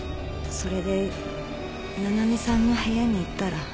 それで七海さんの部屋に行ったら。